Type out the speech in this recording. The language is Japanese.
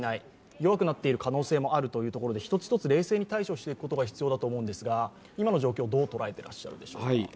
弱くなっている可能性もあるというところで、１つ１つ冷静に対処していくことが必要だと思うんですが今の状況、どう捉えていらっしゃるでしょうか。